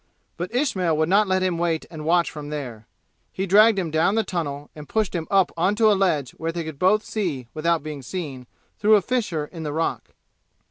But Ismail would not let him wait and watch from there. He dragged him down the tunnel and pushed him up on to a ledge where they could both see without being seen, through a fissure in the rock.